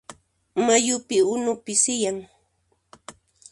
Mayupi unu pisiyan.